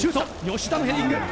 吉田のヘディング。